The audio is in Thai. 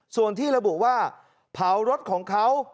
ส่วนที่ระบุว่าเผารถของเขา